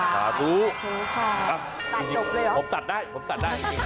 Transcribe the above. ค่ะคุณค่ะตัดหลบเลยหรอผมตัดได้ผมตัดได้จริง